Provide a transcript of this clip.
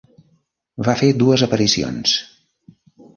Va fer dues aparicions.